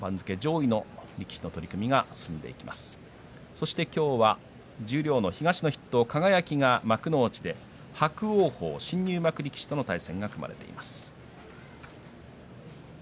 そして今日は十両の東の筆頭輝が幕内で伯桜鵬新入幕力士との対戦が組まれています。